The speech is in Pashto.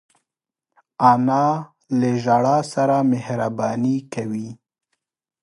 انا له ژړا سره مهربانې کوي